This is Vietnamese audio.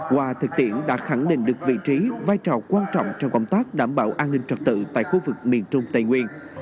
qua thực tiễn đã khẳng định được vị trí vai trò quan trọng trong công tác đảm bảo an ninh trật tự tại khu vực miền trung tây nguyên